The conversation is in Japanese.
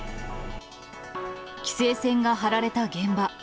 規制線が張られた現場。